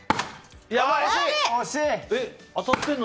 惜しい。